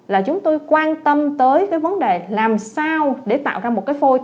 là chúng tôi quan tâm tới cái vấn đề làm sao để tạo ra một cái phôi